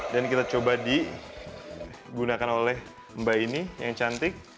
kita coba digunakan oleh mbak ini yang cantik